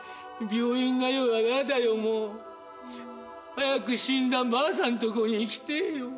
早く死んだばあさんのとこへ行きてえよ。